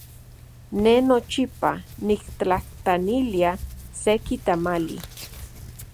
Ne nochipa niktlajtlanilia seki tamali.